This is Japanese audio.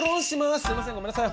すいませんごめんなさい。